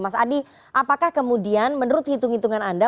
mas adi apakah kemudian menurut hitung hitungan anda